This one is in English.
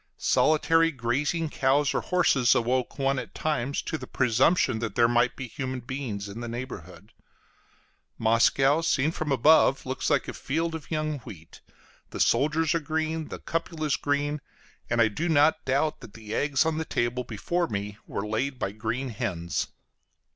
Solitary grazing cows or horses awoke one at times to the presumption that there might be human beings in the neighborhood. Moscow, seen from above, looks like a field of young wheat: the soldiers are green, the cupolas green, and I do not doubt that the eggs on the table before me were laid by green hens.